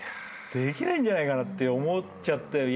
できないんじゃないかなって思っちゃった。